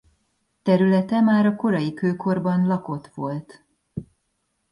Területe már a korai kőkorban lakott volt.